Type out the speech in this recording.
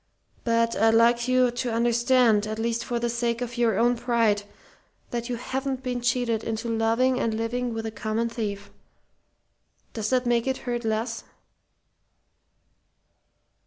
But I'd like you to understand, at least for the sake of your own pride, that you haven't been cheated into loving and living with a common thief. Does that make it hurt less?"